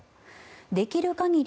できる限り